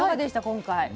今回。